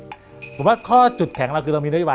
คุณผู้ชมครับผมมั่้ข้อจุดแข็งราวเรามีราวแต่ว่า